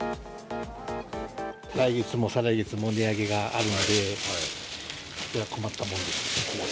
来月も再来月も値上げがあるので、いや、困ったもんです。